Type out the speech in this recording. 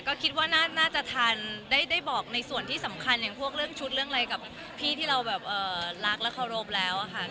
ก็คิดว่าน่าจะทันได้บอกในส่วนที่สำคัญอย่างพวกเรื่องชุดเรื่องอะไรกับพี่ที่เราแบบรักและเคารพแล้วค่ะ